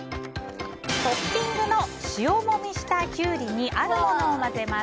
トッピングの塩もみしたキュウリにあるものを混ぜます。